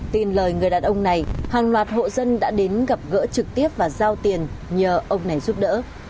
tin lời người đàn ông này hàng loạt hộ dân đã đến gặp gỡ trực tiếp và giao tiền nhờ ông này giúp đỡ